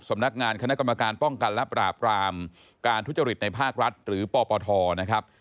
สำนักงานคณะกรรมการป้องกันและปราบรามการทุจริตในภาครัฐหรือปปทนะครับ